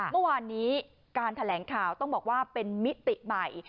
เมื่อวานนี้การแถลงข่าวต้องบอกว่าเป็นมิติใหม่